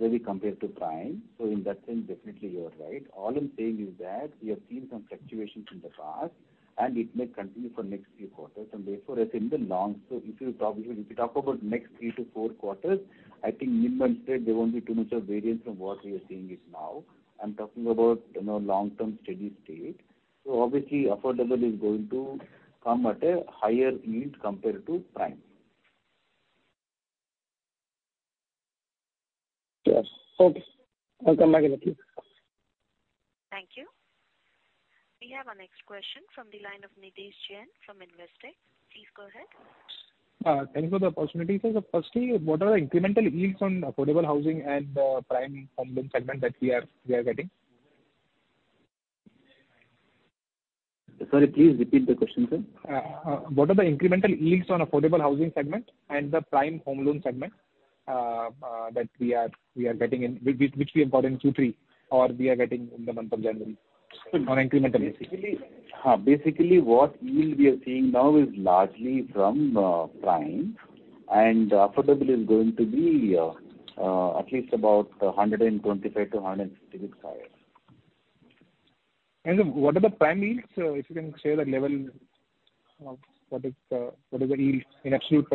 really compared to prime. In that sense, definitely you are right. All I'm saying is that we have seen some fluctuations in the past, and it may continue for next few quarters. Therefore, if you talk about next three to four quarters, I think minimal state there won't be too much of variance from what we are seeing it now. I'm talking about, you know, long-term steady state. Obviously affordable is going to come at a higher yield compared to prime. Yes. Okay. I'll come back at you. Thank you. We have our next question from the line of Nidhesh Jain from Investec. Please go ahead. Thank you for the opportunity, sir. Firstly, what are the incremental yields on affordable housing and prime home loan segment that we are getting? Sorry, please repeat the question, sir. What are the incremental yields on affordable housing segment and the prime home loan segment that we are getting in which we imported in Q3 or we are getting in the month of January on incremental basis? Basically what yield we are seeing now is largely from, prime and affordable is going to be at least about 125 to 150 basis. What are the prime yields? If you can share the level of what is, what is the yields in absolute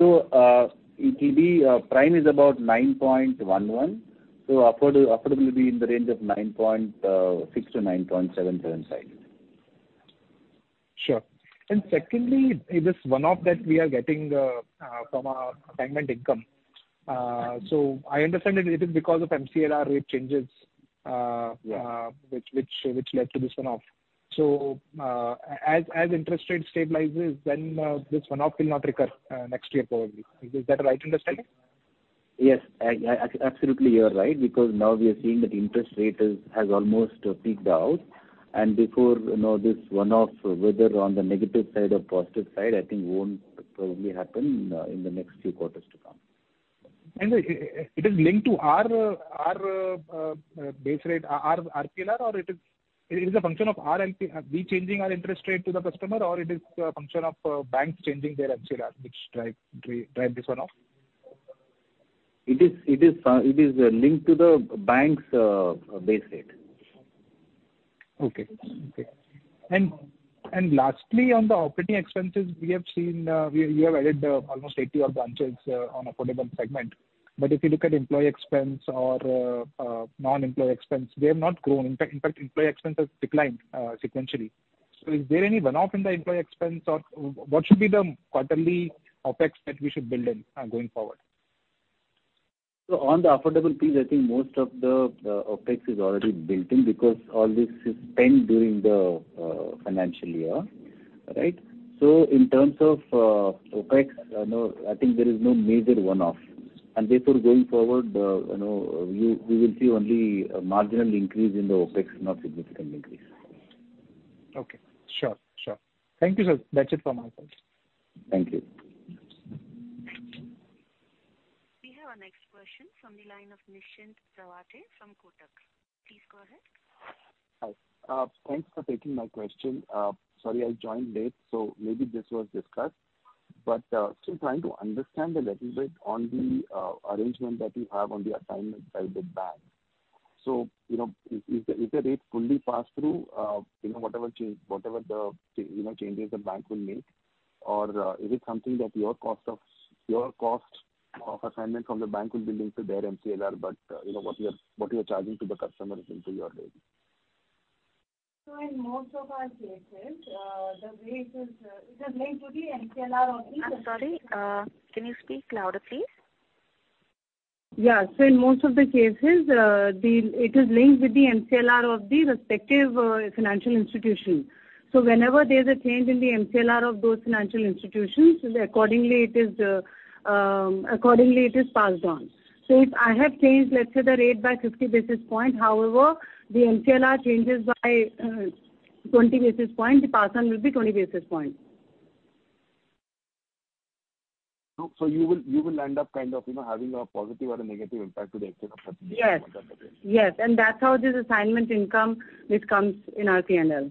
%. It will be, prime is about 9.11%. Affordability in the range of 9.6%-9.775%. Sure. Secondly, is this one-off that we are getting, from our assignment income? I understand it is because of MCLR rate changes. Yeah. Which led to this one-off. As interest rate stabilizes, then, this one-off will not recur, next year probably. Is that a right understanding? Yes. Absolutely, you are right, because now we are seeing that interest rate has almost peaked out. Before, you know, this one-off, whether on the negative side or positive side, I think won't probably happen in the next few quarters to come. It is linked to our base rate, our RPLR or it is a function of our LAP, we changing our interest rate to the customer or it is a function of banks changing their MCLR which drive this one-off? It is linked to the bank's base rate. Okay. Okay. Lastly, on the operating expenses, we have seen, we, you have added, almost 80 odd branches, on affordable segment. If you look at employee expense or non-employee expense, they have not grown. In fact, employee expense has declined sequentially. Is there any one-off in the employee expense or what should be the quarterly OpEx that we should build in going forward? On the affordable piece, I think most of the OpEx is already built in because all this is spent during the financial year, right? In terms of OpEx, no, I think there is no major one-off. Therefore, going forward, you know, we will see only a marginal increase in the OpEx, not significant increase. Okay. Sure. Thank you, sir. That's it from my side. Thank you. We have our next question from the line of Nischint Chawathe from Kotak. Please go ahead. Hi. Thanks for taking my question. Sorry, I joined late, maybe this was discussed. Still trying to understand a little bit on the arrangement that you have on the assignments by the bank. You know, is the rate fully passed through, you know, whatever change, whatever the changes the bank will make or, is it something that your cost of assignment from the bank will be linked to their MCLR but, you know, what you are charging to the customer is linked to your rate? In most of our cases, the rate is, it is linked to the MCLR. I'm sorry. Can you speak louder please? In most of the cases, it is linked with the MCLR of the respective financial institution. Whenever there's a change in the MCLR of those financial institutions, accordingly it is passed on. If I have changed, let's say the rate by 50 basis points, however, the MCLR changes by 20 basis points, the pass on will be 20 basis points. You will end up kind of, you know, having a positive or a negative impact to the extent of. Yes. Yes. That's how this assignment income, it comes in our P&L.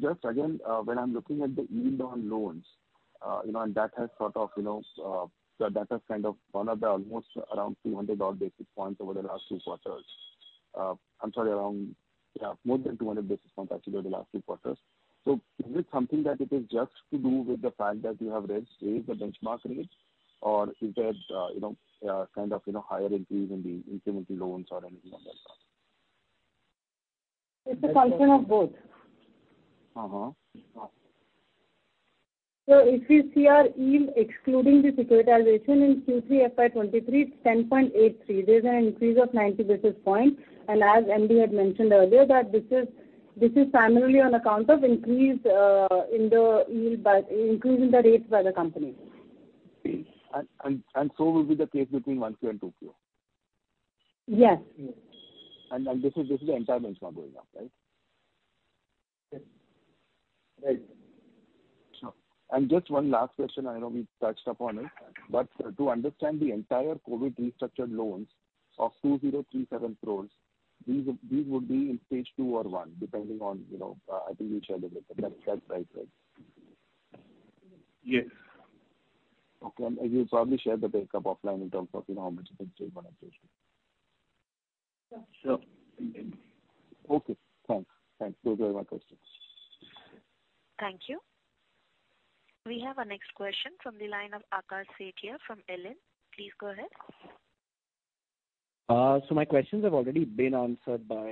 Just again, when I'm looking at the yield on loans, you know, and that has sort of, you know, that has kind of gone up almost around 200 odd basis points over the last two quarters. I'm sorry, around, yeah, more than 200 basis points actually over the last three quarters. Is it something that it is just to do with the fact that you have raised the benchmark rates or is there, you know, kind of, you know, higher increase in the incremental loans or anything like that? It's a function of both. Uh-huh. If you see our yield excluding the securitization in Q3 FY23, it's 10.83. There's an increase of 90 basis points. As MD had mentioned earlier that this is primarily on account of increase in the yield by increasing the rates by the company. So will be the case between 1Q and 2Q? Yes. This is the entire benchmark going up, right? Right. Just one last question. I know we touched upon it, but to understand the entire COVID restructured loans of 2,037 crore, these would be in stage two or one, depending on, you know, I think you shared a bit. That's right. Right? Yes. Okay. You'll probably share the break-up offline in terms of, you know, how much is in stage one and stage two. Sure. Okay, thanks. Thanks. Those were my questions. Thank you. We have our next question from the line of Akash Sethia from Elara Capital. Please go ahead. My questions have already been answered by,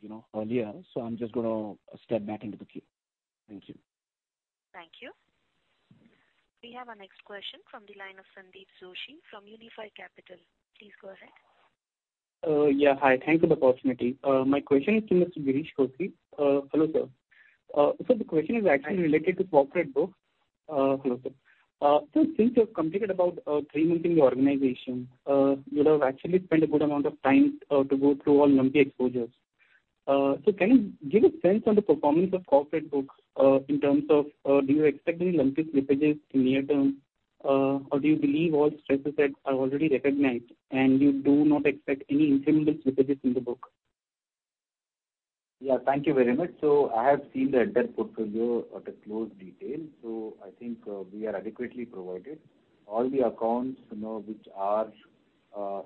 you know, earlier, so I'm just gonna step back into the queue. Thank you. Thank you. We have our next question from the line of Sandeep Joshi from Unifi Capital. Please go ahead. Yeah. Hi. Thank you for the opportunity. My question is to Mr. Girish Kousgi. Hello, sir. The question is actually related to corporate book. Hello, sir. Since you've completed about three months in the organization, you'd have actually spent a good amount of time to go through all lumpy exposures. Can you give a sense on the performance of corporate book, in terms of, do you expect any lumpy slippages in near term, or do you believe all stresses that are already recognized and you do not expect any incremental slippages in the book? Yeah. Thank you very much. I have seen the debt portfolio at a close detail. I think we are adequately provided. All the accounts, you know, which are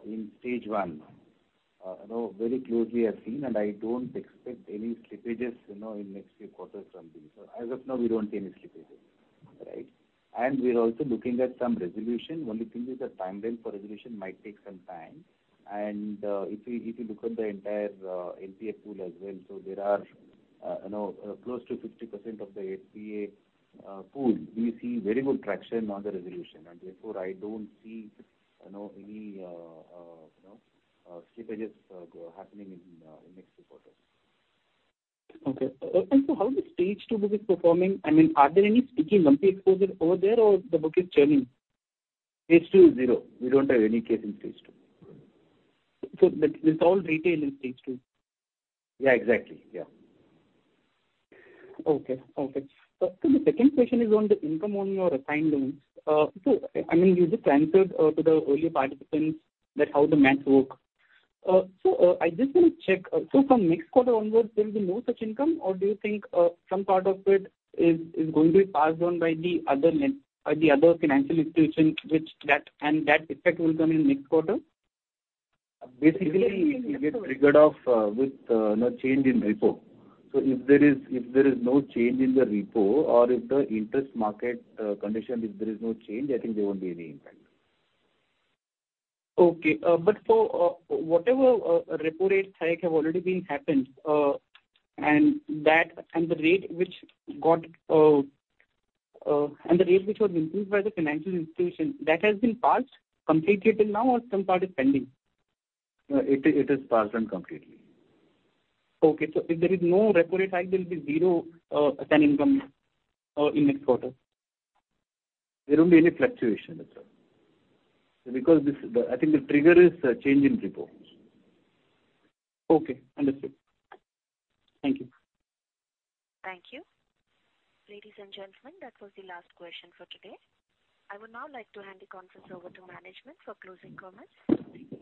in stage one, you know, very closely I've seen, and I don't expect any slippages, you know, in next few quarters from this. As of now, we don't see any slippages. Right? We're also looking at some resolution. Only thing is the timeline for resolution might take some time. If you look at the entire NPA pool as well, there are, you know, close to 50% of the NPA pool, we see very good traction on the resolution. Therefore, I don't see, you know, any, you know, slippages happening in next few quarters. Okay. How the stage two book is performing? I mean, are there any sticky, lumpy exposure over there or the book is churning? Stage 2 is zero. We don't have any case in stage 2. That is all retail in stage two? Yeah, exactly. Yeah. Okay. Okay. The second question is on the income on your assigned loans. I mean, you just answered to the earlier participants that how the maths work. I just want to check. From next quarter onwards, there will be no such income or do you think some part of it is going to be passed on by the other financial institution which that and that effect will come in next quarter? Basically, it get triggered off, with, you know, change in repo. If there is no change in the repo or if the interest market, condition, if there is no change, I think there won't be any impact. Whatever repo rate hike have already been happened, and the rate which was increased by the financial institution that has been passed completely till now or some part is pending? No, it is passed on completely. Okay. If there is no repo rate hike, there will be zero assignment income in next quarter. There won't be any fluctuation. That's all. This, the, I think the trigger is change in repo. Okay. Understood. Thank you. Thank you. Ladies and gentlemen, that was the last question for today. I would now like to hand the conference over to management for closing comments. Thank you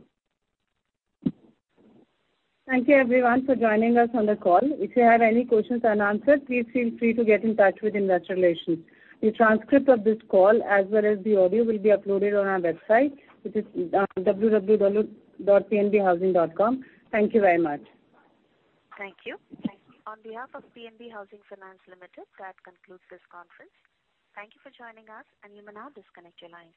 everyone for joining us on the call. If you have any questions unanswered, please feel free to get in touch with investor relations. The transcript of this call as well as the audio will be uploaded on our website, which is www.pnbhousing.com. Thank you very much. Thank you. On behalf of PNB Housing Finance Limited, that concludes this conference. Thank you for joining us, and you may now disconnect your lines.